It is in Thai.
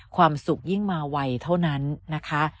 ความสุขยิ่งมาไวเท่านั้นนะคะ